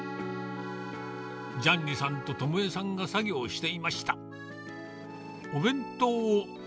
ジャンニさんと知枝さんが作業していました。